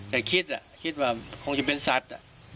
แต่คิดคิดว่าคงจะเป็นสัตว์